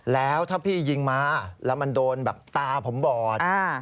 แล้วถ้าพี่ยิงมาแล้วมันโดนแบบตาผมบอด